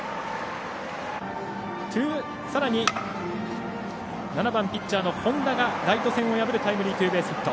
さらに７番ピッチャーの本田がライト線を破るタイムリーツーベースヒット。